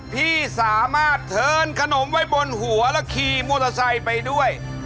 พี่สามารถเทินขนมไว้บนหัวแล้วขี่มอเตอร์ไซค์ไปด้วย